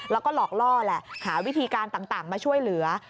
แล้วก็หลอกล่อแหละหาวิธีการต่างมาช่วยเหลือ